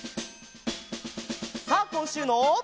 さあこんしゅうの。